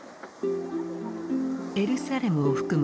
エルサレムを含む